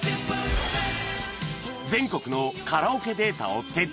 全国のカラオケデータを徹底調査